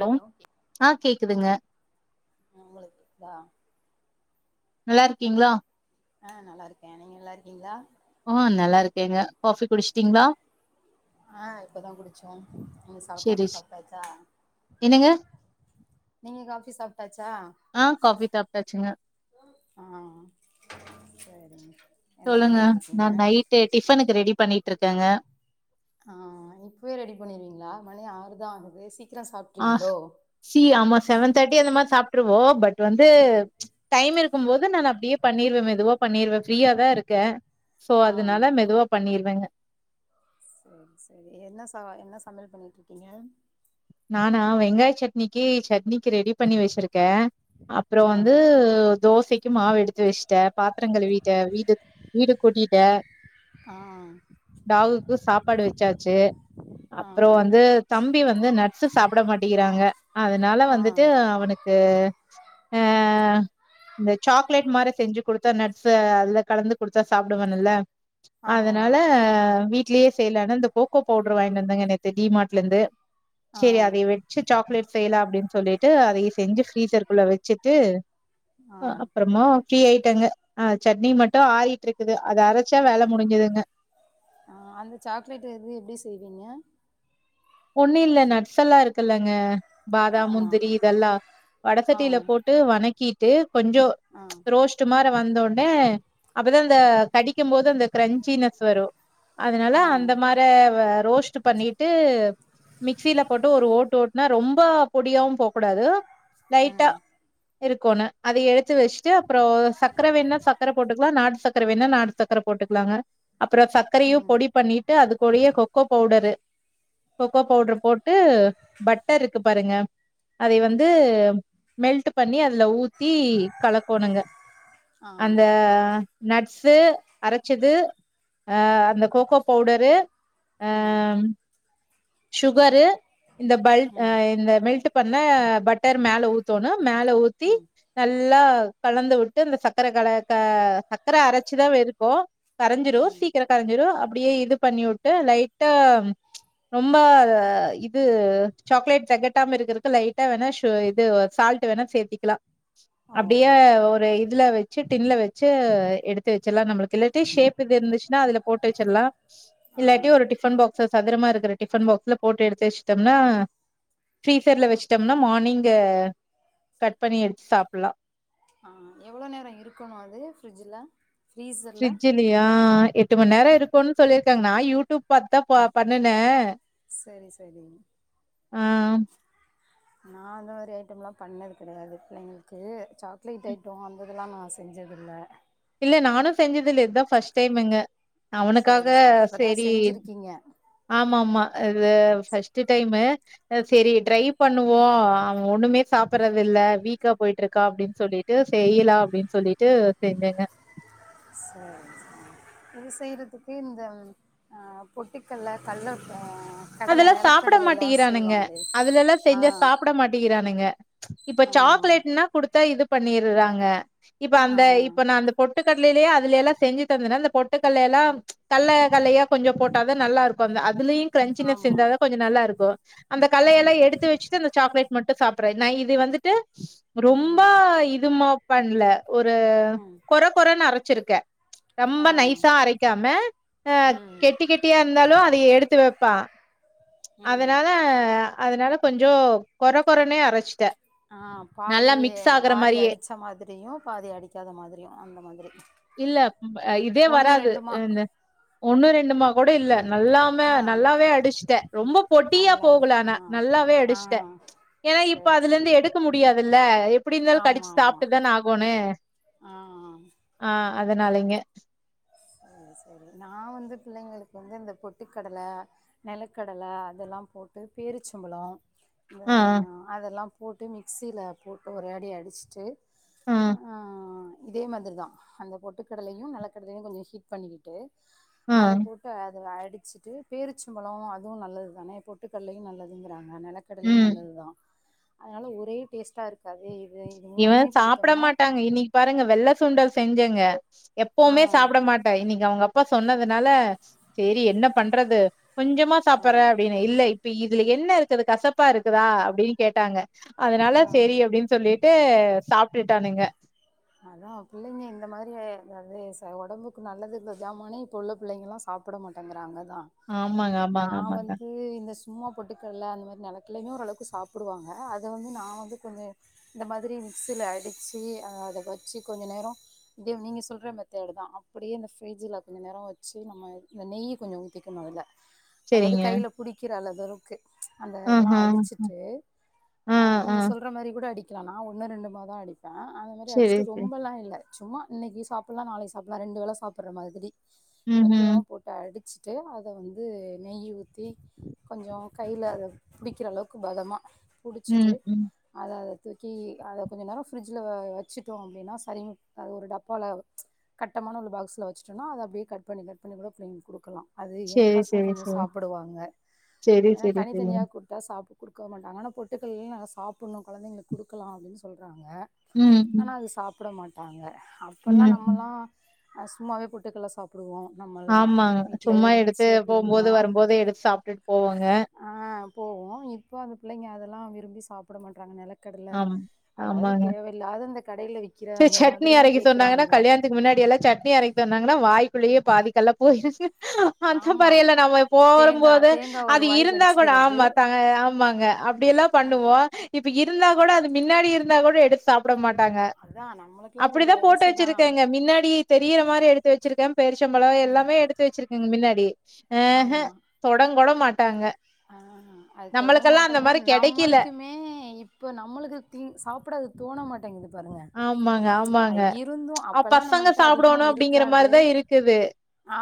Low hello ஆ கேக்குதுங்க உங்களுக்குதா நல்லாருக்கீங்ளா அ நல்லாருக்கே நீங்க நல்லாருக்கீங்ளா ஆ நல்லாருக்கேங்க காபி குடிஸ்டிங்ளா அ இப்பதா குடிச்சோ நீங்க சாப்பாத்தி செரி சாப்டாச்சா என்னங்க நீங்க காபி சாப்டாச்சா ஆ காஃபி சாப்ட்டாச்சுங்க ஆ செரிங்க சொல்லுங்க நா நைட்டு டிஃபனுக்கு ரெடி பண்ணிட்டுருக்கேங்க ஆ இப்பவே ரெடி பண்ணிருவீங்ளா மணி ஆறுதா ஆகுது சீக்கிரோ ஆ சாப்ட்டுருவீங்ளோ சி ஆமா செவன் தேட்டி அந்த மாரி சாப்ட்டுருவோ பட் வந்து ஆ டைம் இருக்கும்போது நானு அப்டியே பண்ணிருவே மெதுவா பண்ணிருவே ஃப்ரீயா தா இருக்க சோ ஆ அதுனால மெதுவா பண்ணிருவேங்க சரிசரி என்ன ச என்ன சமயல் பண்ணிட்டிருக்கீங்க நானா வெங்காய சட்னிக்கு சட்னிக்கு ரெடி பண்ணி வெச்சிருக்கே அப்ரோ ஆ வந்து தோசைக்கு மாவு எடுத் வெஸ்ட்டே பாத்திரங்கழுவிட்டே வீடு வீடு கூட்டிட்ட ஆ டாவுக்கு சாப்பாடு வச்சாச்சு ஆ அப்ரோ வந்து தம்பி வந்து நட்ஸ் சாப்பட மாட்டிகிறாங்க அதனால ஆ வந்துட்டு அவனுக் கு அ இந்த சாக்லேட் மாரே செஞ்சு கொடுத்தா நட்ஸ் அதுல கலந்து கொடுத்தா சாப்டுவானல்ல ஆமா அதனால வீட்லேயே செய்லான்னு இந்த கோக்கோ பவுடரு வாய்ங்னு வந்தேங்க நேத்து டி மார்ட்லருந்து ஆ செரி அதைய வெச்சு சாக்லேட் செய்யலா அப்படின்னு சொல்லிட்டு அதைய செஞ்சு ஃப்ரீசர்க்குள்ள வச்சுட்டு ஆ அப்றமா ஃப்ரீ ஆய்டேங்க அ சட்னி மட்டு ஆயீட்டிருக்குது அத அர ச வேல முடிஞ்சதுங்க ஆ அந்த சாக்லேட் எது எப்டி செய்வீங்க ஒண்ணு இல்ல நட்ஸ் எல்லா இருக்கல்லங்க பாதம் ஆமா முந்திரி இதெல்லா ஆ வடசட்டில போட்டு வனக்கீட்டு கொஞ்சோ ஆ ரோஸ் ட்டு மார வந்தோனே அப்பதா அந்த கடிக்கும்போது அந்த கிரன்ச்சினஸ் வரு அதுனால ஆ அந்த மார ரோஸ்ட்டு பண்ணிட்டு மிக்சில போட்டு ஒரு ஓட்டு ஓட்டுனா ரொம்ப பொடியாவு போக்கூடாது லைட்டா ம் இருக்கொணு அத எடுத்து வச்சிட்டு அப்ரோ சக்கர வேனா சக்கர போட்டுக்கலா நாட்டு சக்கர வேணா நாட்டு சக்கர போட்டுக்கலாங்க அப்ரோ சக்கரையு ம் பொடி பண்ணிட்டு அதுக்குடயே கொக்கோ பவுடரு கொக்கோ பவுடர் போட்டு பட்டர்ருக்கு பாருங்க அதைய வந்து மெல்ட்டு பண்ணி அதுல ஊத்தி கலக்கோணுங்க ஆ அந்த நட்சு அரச்சது அஹ் அந்த கோகோ பவுடரு ம் ஷுகரு இந்த பல்ட் ம் அஹ் இந்த மெல்டு பண்ண பட்டர் மேல ஊத்தோணு மேல ஊத்தி ம் நல்லா கலந்து வுட்டு அந்த சக்கர கல க சக்கர அரச்சுதா வெ இருக்கு கரஞ்சிரு ம் சீக்கிர கரஞ்சிரு அப்டியே இது பண்ணி உட்டு லைட்டா ரொம்ப அஹ் இது சாக்லேட் தெகட்டாம இருக்குறதுக்கு லைட்டா வேணா இது சால்ட் டு வேணா சேத்திக்கலா ஓ அப்டியே ஒரு இதுல வெச்சு டின்ல வெச்சு எடுத்து வெச்சுல்லா நம்ளுக் இல்லாட்டி ஷேப் இது இருந்துச்சுன்னா அதுல போட்டு வெச்சுட்லா ஆ இல்லாட்டி ஒரு டிஃபன் பாக்சு சதுரமா இருக்குர டிஃபன் பாக்ஸ்ல போட்டு எடுத்து வெச்சிட்டம்னா ஃப்ரீசர்ல வெச்சுட்டம்னா மார்னிங்கு கட் பண்ணி எடுத்து சாப்புலா ஆஹ் எவ்வளோ நேரோ இருக்கணு அது ஃபிரிட்ஜுல ஃப்ரீசர்லா இல்லையா எட்டு மண் நேரோ இருக்குன் சொல்லிருக்காங்க நா யூடூப் பாத்தா ப பண்ணுன சரி சரி நா அந்த மாரி ஐட்டம் லா பண்ணது கடையாது பிள்ளைங்களுக்கு சாக்லேட் ஐட் டோ அந்த இதுலா நா செஞ்சதில்ல இல்ல நானு செஞ்சதில்ல இதுதா ஃபர்ஸ்ட் டைமுங்க அவனுக்காக சேரி ங்க ஆமா ஆமா இது கபஸ்டு டைமு சரி ம் ட்ரை பன் பண்ணுவோ அவன் ஒண்ணுமே சாப்புறது இல்ல வீக்கா போய்ட்ருக்கா அப்டின் சொல்லிட்டு செய்யலா அப்டின் சொல்லிட்டு [unintelligible] சேரி சேரி இது செய்றதுக்கு இந்த ஆ பொட்டிக்கல்ல கல்ல ஆஹ் அதல்லா சாப்ட மாட்டிகுறானுங்க அதுல எல்லா ஆ செஞ்சா சாப்புட மாட்டிகுறானுங்க இப்ப ஆ சாக்லேட்னா குடுத்தா இது பண்ணிருறாங்க இப்ப ஆ அந்த இப்ப நா அந்த பொட்டு கடலைலியே அதுல எல்லா செஞ்சு தந்தனா அந்த பொட் பொட்டு கல்லையல்லாம் கல்ல கல்லையா கொஞ்சோ போட்டாதா நல்லா இருக்கு அந்த அதுளையு கிரஞச்சின ஆமா சிந்தா தா கொஞ்சொ நல்லா இருக்கு அந்த ஆ கல்லையல்லா எடுத்து வெச் ச்சு இந்த சாக்லேட் மட்டு சாப்புடுற நா இது வந்துட்டு ரொம்ப ம் இதுமாப் பண்ல ஒரு ம் கொற கொறன்னு அரச்சிருக்க ஆ ரொம்ப நைசா அரைக்காம ஆஹ் ம் கெட்டி கெட்டியா இருந்தாலு அத எடுத்து வெப்பா ம் அதனால அதனால கொஞ்சோ கொர கொரனே அரச் ஆஹ் பாதியே பாதி மாரியே. அடிச் ச்ச மாதிரியு பாதி அடிக்காத மாதிரியு அந்த மாதிரி இல்ல ப இதே ஒன்னு வராது ரெண்டுமா இந்த ஒண்ணு ரெண்டுமா கூட இல்ல நல்லாமே ஆ நல்லாவே அடிச்சுட்ட ரொம்ப பொட்டியா நல்லாவே போகலா ஆனா ஆ நல்லாவே ஆ அடிஷ்ட்ட ஏன்னா இப்ப சரி சரி அதுலிருந்து எடுக்க முடியாதுல்ல எப்படி இருந்தாலு கடிச்சு சாப்ட்டுதான ஆகோனு ஆஹ் ஆ அதனாளைங்க சேரி சேரி நா வந்து பிள்ளைங்களுக்கு வந்து இந்த பொட்டுக்கடல நெலக்கடல அதல்லாம் போட்டு பேரிச்சம்பழோ ஆ, அதல்லா போட்டு மிக்சில போட்டு ஒரு அடி அடிச்ட்டு ஆ, ஆஹ் இதே மாதிரிதா அந்த பொட்டுக்கடலயு நலக் கடலயு கொஞ்சோ ஹீட் பண்ணிக்கி ட்டு ஆ, அத போட்டு அத அடிச் ச்சுட்டு பேரிச்சம்பழோ அதுவு நல்லது தானே பொட்டுக்கல்லையு நல்லதுங்குறாங்க நெலக் கடலையு ம். நல்லது தா அதனால ஒரே டேஸ்ட்டா இருக்காதே இவன் சாப்ட மாட்டாங்க இன்னைக்கு பாருங்க வெள்ள சுண்டல் செஞ்சங்க ஆ எப்பவுமே சாப்பட மாட்டா இன்னைக்கு அவுங்க அப்பா சொன்னதுனால செரி என்ன பண்றது கொஞ்சமா ஆ சாப்பறே அப்டின்னு இல்ல இப்ப இதுல என்ன இருக்குது கசப்பா இருக்குதா அப்டின்னு கேட்டாங்க அதனால ஆ செரி அப்டின்னு சொல்லிட்டே சாப்பிட்டுட்டானுங்க அதா புள்ளைங்க இந்த மாதிரி எதாது செல ஒடம்புக்கு நல்லது இல்ல சாமானே இப்ப உள்ள பிள்ளைங்க எல்லா சா ப்பட மாட்டேங்கறாங்க தா ஆமாங்க, நா ஆமாங்க, ஆமாங்க. வந்து இந்த சு ம்மா பொட்டுக்கடல அந்த மாரி நிலக்கலையுமே ஓரளவுக்கு சாப்புடுவாங்க அத வந்து நா வந்து கொஞ்சோ இந்த மாதிரி மிக்சில அடிச்சி அத வச்சு கொஞ்ச நேரோ ப்டியே நீங்க சொல்ற மெத்தாடு தா அப்படியே இந்த பிரிட்ஜ்ல்ல கொஞ்சோ நேரோ வச்சு நம்ம இந்த நெய் கொஞ்சோ ஊதிக்கணு இதுல அதாவது சரிங்க. கையில புடிக்கிற அள தவக்கு அந்த இதெல்லா ஆஹா. அடிச்சிட்டு ஆ நீங்க சொல்ற மாரி கூட அடிக் கலா நா ஒன்னு ரெண்டு மதா அடிப்பே அந்த மாரி அடிச் சரி, சரி. அப்டியே இல்ல சும்மா இன்னைக்கு சாப்படலா நாளைக்கு சாப்படலா ரெண்டு வேளை சாப்பிற மாதிரி கொஞ்ச ம்ஹ்ம். பொட் டு அடிச்சிட்டு அத வந்து நெய் ஊத்தி கொஞ்சோ கையில அத புடிக்கிற அளவுக்கு பதம புடிச்சிட்டு ம், ம். அத அத தூக்கி அத கொஞ்சோ நேரோ பிரிட்ஜில வ வச்சுட் டோ அப்படின்னா செரிங் அத ஒரு டப்பால கட்டமான உள்ள பாக்ஸ்ல வச்சட்டோனா அவ அப்டியே கட்பண்ணி கட்பண்ணி கூட பிள்ளைங்ளுக்கு குடுக்கலா அது என் சரி, பசங்களு சரி, கொஞ்சோ சரி. சாப்பிடுவாங்க சரி, ஏன்னா சரி, சரி. தனித்தனியாக குத் இதா சாப்டு குடுக்க மாட்டாங்க ஆனா பொட்டுக்கல்லையு நல்லா சாப்பணு கொழந்தைங்களுக்கு குடுக்கலா அப்படினு சொல்றாங்க ம், ம். ஆனா அத சாப்பிட மாட்டாங்க அப்போல்லா ம், ம். நம்மலா சும்மாவே பொட்டுக்கல்ல சாப் சாப்புடுவோ நம்ம எல்லா ஆமாங்க. வீட்டுலே சும்மா எடுத்து இருந்துச்சு அப்படியின்னா போம்போது, வரும்போது எடுத்து சாப்ட்டுட்டு போவோங்க. ஆ போவோ இப்போ அந்த பிள்ளைங்க அதெல்லா விரும்பி சாப்பிட மாட்டறாங்க நிலக் கடல ஆம். அதாது ஆமாங்க. தேவையில்லாத அந்த கடையில விக்கிற அந்த சட்னி மாதிரிதா அரைக்க சொன்னாங்கன்னா கேக்குறாங்க கயாணத்துக்கு முன்னாடிலா சட்னி அரைக்க சொன்னாங்கன்னா வாய்குள்ளயே பாதி கல்ல போயிருச்சி அந்த ஆமா மாரி எல்லா நம்ம தேங்கா போரும்போது தேங்கா ஒரு அது வாய் இருந்தா கூட கடிச்சுக்கிறது ஆமா ஆமாங்க அப்படி எல்லா ஆ பண்ணுவோ இப்ப இருந்தா கூட அது மின்னாடி இருந்தா கூட எடுத்து சாப்பட மாட்டாங்க அதா நம்மளுக்குலா அது அப்டி ஒரு தா போட்டு வயசுதா வச்சிருக்கேங்க மின்னாடி தெரியிற மாரி எடுத்து வச்சிருக்கே பேரிச்சம் பழோ எல்லாமே எடுத்து வச்சிருக்கங்க மின்னாடி ஆமா தொடங் கொட ஆ அது தொடவு நம்மளுக்கெல்லாம் அந்த மாட்டாங்க மாரி கெடைக்கல. நம்மளுக்கு மே மே இப்ப நம்மளுக்கு‌ தின் சாப்படாத தோண மாட்டேங்கிது பாருங்க ஆமாங்க, அ ஆமாங்க. இருந்து அ அப்ப எல்லா பசங்க நம்மல்ட்ட அதிகமா சாப்பிடணும் அப்படிங்கிற இருக்காது மாரிதான் இருக்குது.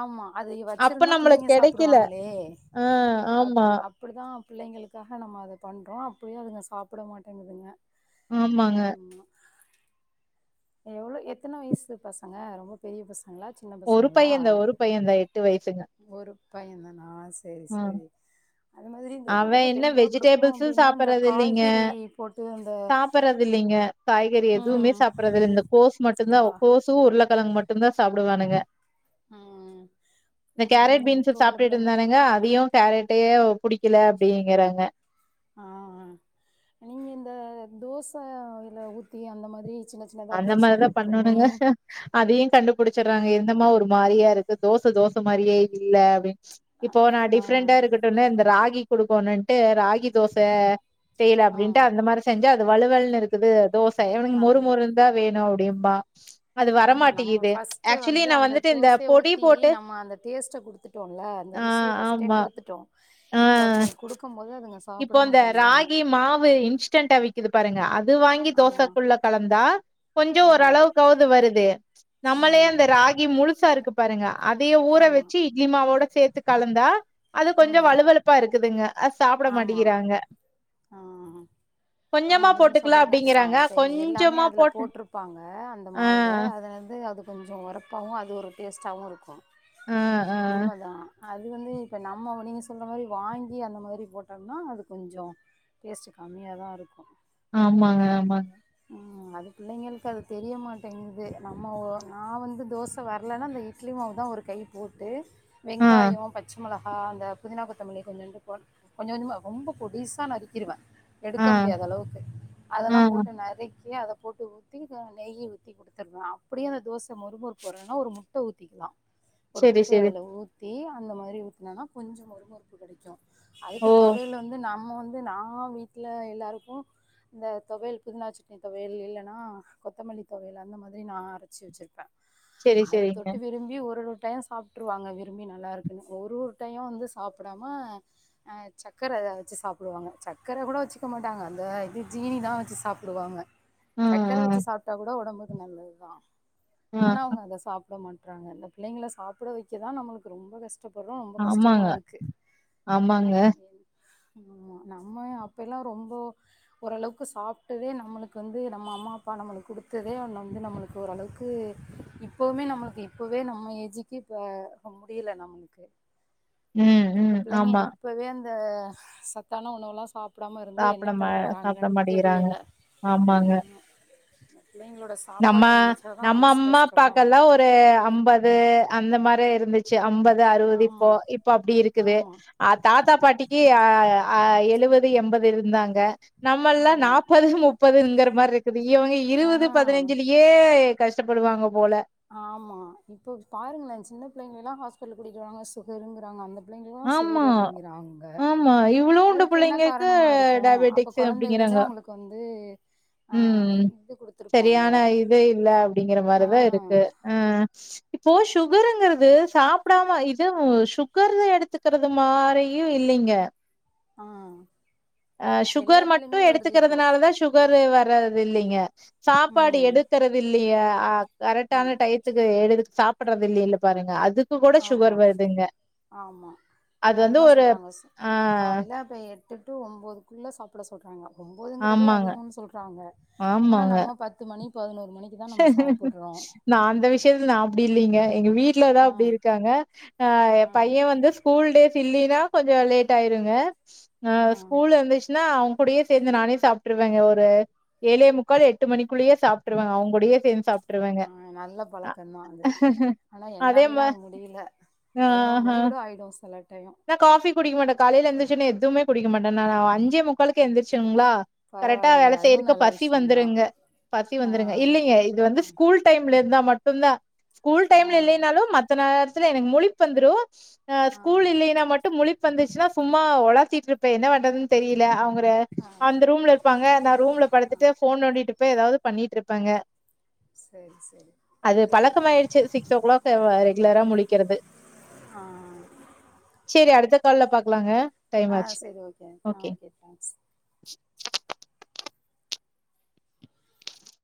ஆமா அது அப்ப வச்சிருந்தா நம்மளுக்கு பிள்ளைங்க கெடைக்கல. சாப்புடுவாங்களே ஆ அப் ஆமா. அப்டிதா பிள்ளைங்களுக்காக நம்ம அத பண்றோ அப்பயு அதுங்க சாப்பிட மாட்டேங்குதுங்க ஆமாங்க ம்மா எவ்வளோ எத்தன வயசு பசங்க ரொம்ப பெரிய பசங்களா சின்ன ஒரு பையந்தா ஒரு பையந்தா எட்டு வயசுங்க ஒருப் பையன் தானா செரி ம். செரி அது மாதிரி இந்த அவன் ஒடம்பு என்ன தெம்பா குடுக்கணு வெஜிடபிள்ஸும் அப்டின்னா இந்த சாப்பிடுறது இல்லைங்க, காய்கறி போட்டு அந்த சாப்பிடுறது இல்லைங்க. காய்கறி எதுவுமே ம் சாப்பறது இல்ல இந்த கோஸ் மட்டு தா கா கோஸ்சு உருளக்கெழங்கு மட்டும் தா சாப்புடுவானுங்க ம் இந்த கேரட் ம் பீன்ஸ் இப்போ உள்ள சாப்பிட்டுயிட்டு பிள்ளைங்க இருந்தானுங்க அ வியோ கேரட்டு புடிக்கல அப்டிங்கறாங்க ஆ ஆ நீங்க இந்த தோச அதில ஊத்தி அந்த மாதிரி சின்ன சின்ன தா அந்த பொடிச்சா மாரி தான் கட் பண்ணி பண்ணணுங்க. அதையு கண்டுபிடிச்சுறாங்க எந்தமா ஒரு மாரியா இருக்கு தோச தோச மாரியே இல்ல அப்டின்னு இப்போ நா ஆ டிஃப்ரெண்ட்டா இருக்கட்டோன்னு இந்த ராகி குடுக்கனுன்ட்டு ராகி தோச செய்யல ஆ அப்படின்ட்டு அந்த மாதிரி செஞ்சா அது வலுவல்ன்னனு இருக்குது தோச இவனுக்க ஆ மொறு மொறுனு தா வேணு அப்டிம்பா அது ஆமா நம்ம வரமாட்டேங்குது ஃபஸ்ட்டு ஆக்சுவலி வந்து நா அந்த வந்துட்டு இந்த தோசைய பொடி ஊத்தி போட்டு நம்ம அந்த டேஸ்ட்ட குடு துட்டோல்ல அந்த ஆ ருசிய ஃபஸ்ட்டே ஆமா குடுத்துட்டோ இப்ப அதுங்களுக் குடுக்கும்போது அதுங்க சாப் இப்ப அந்த ராகி மாவு இன்ஸ்டண்ட்டா விக் கிது பாருங்க அது வாங்கி ஆமா தோசக்குள்ள கலந்தா கொஞ்சோ ஆ ஓரளவுக்காவது வருது ஆ நம்மளே அந்த ராகி முழு சா இருக்கு பாருங்க அதயே ஊற ஆமா வச்சி இட்லி மாவோட சேத்து கலந்தா அது கொஞ்சோ ம் வலுவலுப் ப்பா இருக்குதுங்க அ சாப்ட ஆமா மாட்டிகிறாங்க ஆ ஆமா நீங்க சொல்றது கரட்டுத்தா அப்டிங்கிறாங்க இப்ப எல்லாமே கொஞ்சமா அதுல போட்டு போட்ருப்பாங்க அந்த ஆ மாவுல அதுலந்து அது கொஞ்சோ ஒரப்பாவு அது ஒரு டேஸ்ட்டாவு இருக்கு ஆ ஆ உண்ம தா அது வந்து இப்போ நம்ம நீங்க சொல்றா மாரி வாங்கி அந்த மாரி போட்டம்னா அது கொஞ்சோ டேஸ்ட்டு கம்மியா தா இருக்கு ஆமாங்க ஆமாங் ம் அது பிள்ளைங்களுக்கு அது தெரிய மாட்டேங்கிது நம்ம ஒ நா வந்து தோச வரலனா அந்த இ ட்லி மாவு தா ஒரு கை போட்டு ஆ வெங்காயோ பச்ச மொளகா அந்த புதினா கொத்தமல்லி கொஞ்சோன்டு போட் கொஞ்ச கொஞ்சமா ரொம்ப பொடிஸ் சா நறுக்கிருவ ஆ எடுக்க முடியாத அளவுக்கு ஆ அதெல்லா போட்டு நறுக்கி அத போட்டு தி வா நெய் ஊத்தி குடுத்துருவ அப்டியே அந்த தோச மொறு மொறுப் வரலனா ஒரு முட்ட ஊத்திக்லா ஒரு செரி முட்டைய செரி அதுல ஊத்தி அந்த மாரி ஊத்னாதா கொஞ்சோ மொறு மொறுப்பு கெடைக்கு ஓ அதுக்கு தொவயல வந்து நம்ம வந்து நா வீட்ல எல்லாருக்கு இந்த தொவையல் புதினா சட்னி தொவையல் இல்லனா கொத்தமல்லி தொவையல் அந்த மாதிரி நா அரச்சி வச்சிருப்ப செரி அத செரிங்க தொட்டு விரும் பி ஒரு ஒரு டைம் சாப்ட்ருவாங்க விரும்பி நல்லாருக்குன்னு ஒரு ஒரு டையோ வந்து சாப்டாம அ சக்கர வெச்சி சாப் புடுவாங்க சக்கர கூட வச்சுக்க மாட்டாங்க அந்த இது ஜீனிதா வச்சி சாப்புடுவாங்க ஆ சக்கர ஆ வச்சி சாப்ட்டா கூட ஒடம்புக்கு நல்லதுதா ஆ ஆனா அவுங்க அத சாப்ட மாட்றாங்க இந்த பிள்ளைங்கள சாப்ட வைக்கதா நம்மளுக்கு ரொம்ப கஷ் ட பறோ ரொம்ப கஷ்டமா ஆமாங்க இருக்கு ஆமாங்க ஆமா நம்ம அப்பைல்லா ரொம்போ ஓரளவுக்கு சாப்டதே நம்மளுக்கு வந்து நம்ம அம்மா அப்பா நம்மளுக் குடுத்ததே வந்து நம்மள்க் ஓரளவுக்கு இப்பவுமே நம்மளுக்கு இப்பவே நம்ம ஏஜுக்கு இப்ப முடியல நம்முளுக்கு ம் இந்த ம் பிள்ளைங்க ஆமா இப்பவே அந்த சத்தான உணவுலா சாப் டாம இருந்து சாப்ட என்ன மா பண்ண சாப்ட போறாங்கன் மாட்டிக்கிறாங்க தெரியல ஆமாங்க பிள்ளைங்லோட நம்ம சாப்பாட்ட நெனச்சா தா மனசு கஷ்டமா இருக்கு தே அம்பது அந்த மாரி இருந்துச்சு அம்பது அறுவது இப்போ ஆமா இப்போ அப்டி இருக்குது ஆமா அ தாத்தா பாட்டிக்கு ஆ ஆ எழுவது எம்பது இருந்தாங்க நம்மல்லா ஆமா நாப்பது முப்பதுங்கற மாரிருக்குது இவங்க இருவது ஆ கே கஷ்டப்படுவாங்க போல ஆமா இப்போ பாருங்களே சின்ன பிள்ளைங்களல்லா ஹாஸ்பிடல் கூட்டிட்டு வராங்க சுகருங்கறாங்க அந்த பிள்ளைங்கல்லா ஆமா சுகரு அப்டிங்கறாங்க ஆமா இவ்ளோண்டு அதுக்கு என்ன புள்ளைங்களுக்கு காரணமா இருக்கு அப்ப டயபெட்டிக்ஸ் கொழந்தையிலந்தே அப்டிங்கிறாங்க அவுங்களுக் வந்து ஆ ம் இது குடுத்துருப்பாங்க சரியான இது ஆ ம் இப்போ சுகருங்கறது சாப்டாம இது சுகர் எடுத் துக்கறது மாரியு இல்லைங்க ஆ அ சுகர் மட்டு எல்லாத்துலயுமே வருது இப்போ எடுத்துக்கிறதுனால தா சு சுகரு வர்றது இல்லைங்க சாப்பாடு ம் எடுக்கறது இல்லியா அ ம் கரெட்டான டயத் துக்கு எடுத்து சாப்பட்றது இல்ல இல்ல பாருங்க அதுக் து கூட ஆமா சுகர் வருதுங்க ஆமா அது வந்து அதுதா ஒரு சொல்றாங்க சு ஆ காலையில இப்ப எட்டு டூ ஒம்போதுக்குள்ள சாப்ட சொல்றாங்க ஒம்போதுங்கிறதே ஆமாங்க, அதிகோ சொல்றாங்க ஆனா ஆமாங்க. நம்ம பத்து மணி பதினோரு மணிக்கு தா நம்ம சாப்புட்றோ நா அந்த விஷயத்துல நா அப்டி இல்லீங்க எங்க வீட்லதா அப்டி ஆ இருக்காங்க அ ஆ எ பைய வந்து ஸ்கூல் டேஸ் இல்லீனா கொஞ்ச லேட் ஆயிருங்க ஆ ஸ்கூல் இருந்துச்சுனா அவுங் கூடயே சேந்து நானே சாப்ட்ருவங்க ஒரு ஏழே முக்கால் எட்டு மணிக்குள்ளேயே சாப்ட்ருவ அவுங் கூடயே சேந்து சாப் ஆ நல்ல பழக்கதா அது ஆனா அதே என்னாலேல்லா மா அது முடில ஆ பதினோரு ஆ மணி கூட ஆயிடு சில டயோ நா காஃபி குடிக்க மாட்ட காலைல எந்துருச்சொன்னே எதுமே குடிக்க மாட்ட நா அஞ்சே முக்காலு க்கு எந்துரிச்சுங்ளா கரெட்டா பரவாயில்லையே வேல அதுவு செய்யறக்கு நல்ல பசி விஷயந்தா வந்துருங்க பசி ஆ வந்துருங்க இல்லைங்க இது வந்து ஆ ஸ்கூல் டைம்ல இருந்தா மட்டு தா ஸ்கூல் ஆ டைம்ல இல்லைனாலு மத் த நேரத்துல எனக்கு முழிப் வந்துரு ஆ ஸ்கூல் இல்லைன்னா மட் முழிப்பு வந்துச்சுன்னா சும்மா ஒளாத்திட்ருப்ப என்ன பண்றதுன்னு தெரியல அவுங்க அந்த ரூம்ல இருப்பாங்க நா ரூம்ல படுத்துட்டு ஃபோன் நோண்டிட்டுருப்பே எதாவது பண்ணிட்டு இருப்பங்க சேரி சேரி அது பழக்கமாயிடுச்சு சிக்ஸ் ஓ கிளாக் ரெகுலரா முழிக்கிறது ஆ சேரி அடுத்த கால்ல பாக்கலாங்க டைம் ஆ ஆச்சு சரி ஓகே ஆ ஓகே தேங்க்ஸ்